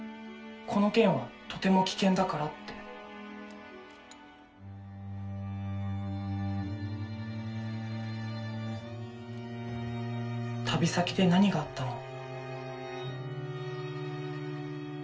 この件はとても危険だからって旅先で何があったの？